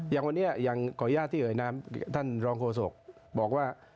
อย่างวันนี้อย่างขออนุญาตที่เอ่ยนามท่านรองโฆษกบอกว่า